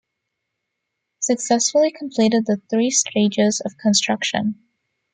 Successfully completed the three stages of construction.